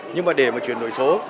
nhưng mà để mà chuyển đổi số